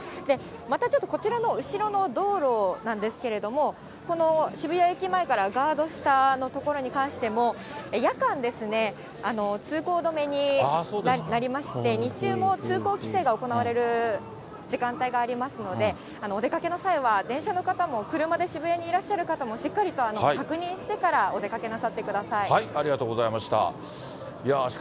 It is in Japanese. またちょっとこちらの後ろの道路なんですけれども、この渋谷駅前からガード下の所に関しても、夜間ですね、通行止めになりまして、日中も通行規制が行われる時間帯がありますので、お出かけの際は、電車の方も、車で渋谷にいらっしゃる方も、しっかりと確認してからお出かけなありがとうございました。